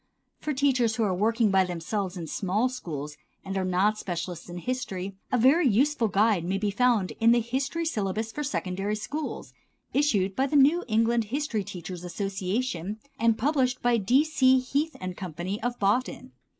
For teachers who are working by themselves in small schools and are not specialists in history a very useful guide may be found in the "History Syllabus for Secondary Schools," issued by the New England History Teachers' Association, and published by D. C. Heath & Co., of Boston.